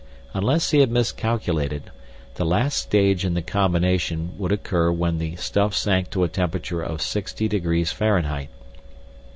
Unless he had miscalculated, the last stage in the combination would occur when the stuff sank to a temperature of 60 degrees Fahrenheit.